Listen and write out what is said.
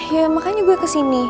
ya makanya gue kesini